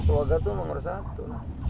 keluarga itu nomor satu